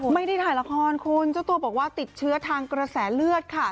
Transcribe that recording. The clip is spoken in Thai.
ไม่ได้ถ่ายละครคุณเจ้าตัวบอกว่าติดเชื้อทางกระแสเลือดค่ะ